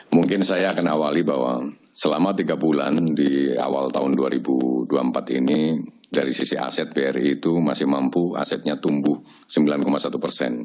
mungkin saya akan awali bahwa selama tiga bulan di awal tahun dua ribu dua puluh empat ini dari sisi aset bri itu masih mampu asetnya tumbuh sembilan satu persen